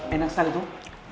enak sekali tuh